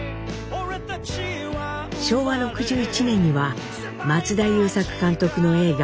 昭和６１年には松田優作監督の映画